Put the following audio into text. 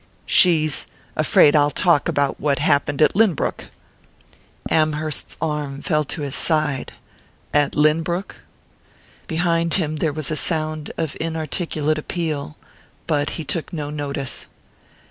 She's, afraid I'll talk about what happened at Lynbrook." Amherst's arm fell to his side. "At Lynbrook?" Behind him there was a sound of inarticulate appeal but he took no notice.